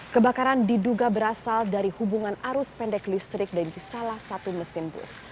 kebakaran diduga berasal dari hubungan arus pendek listrik dan salah satu mesin bus